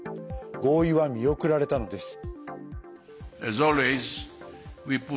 合意は見送られたのです。